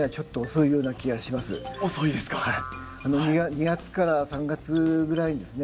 ２月から３月ぐらいにですね